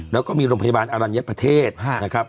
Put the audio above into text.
แล้วก็มีโรงพยาบาลอรัญญประเทศนะครับ